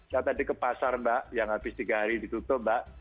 saya tadi ke pasar mbak yang habis tiga hari ditutup mbak